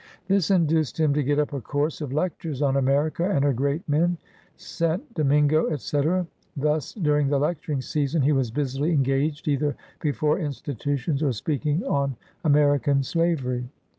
This induced him to get up a course of lectures on America and her great men, St. Do mingo, &c. Thus, during the lecturing season, he was busily engaged, either before institutions, or speaking on American Slavery.